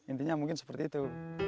intinya mungkin seperti itu